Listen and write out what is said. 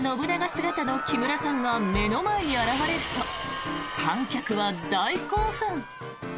姿の木村さんが目の前に現れると観客は大興奮。